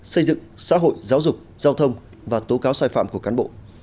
xây dựng xã hội giáo dục giao thông và tố cáo sai phạm của cán bộ